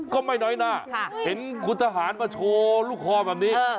ก็ไม่น้อยหน้าเห็นคุณทหารมาโชว์ลูกคอแบบนี้